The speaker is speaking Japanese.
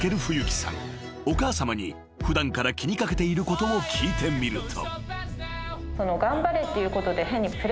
［お母さまに普段から気に掛けていることを聞いてみると］